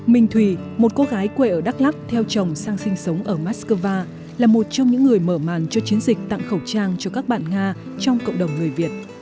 minh thùy một cô gái quê ở đắk lắk theo chồng sang sinh sống ở moscow là một trong những người mở màn cho chiến dịch tặng khẩu trang cho các bạn nga trong cộng đồng người việt